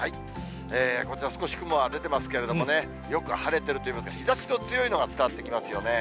こちら少し雲は出てますけどね、よく晴れてるといいますか、日ざしの強いのが伝わってきますよね。